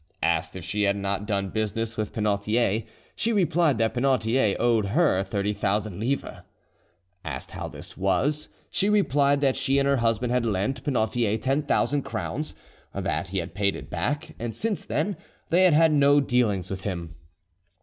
Asked if she had not done business with Penautier, she replied that Penautier owed her 30,000 livres. Asked how this was, she replied that she and her husband had lent Penautier 10,000 crowns, that he had paid it back, and since then they had had no dealings with him.